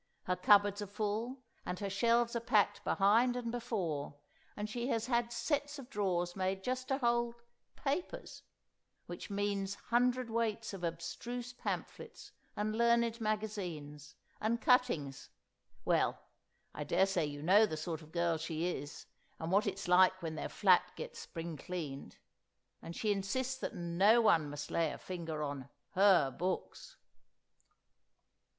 Her cupboards are full, and her shelves are packed behind and before, and she has had sets of drawers made just to hold "papers"; which means hundredweights of abstruse pamphlets, and learned magazines, and cuttings—well, I dare say you know the sort of girl she is, and what it's like when their flat gets spring cleaned, and she insists that no one must lay a finger on her books!